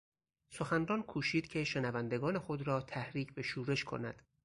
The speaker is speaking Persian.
سخنران کوشید که شنوندگان خود را تحریک به شورش کند.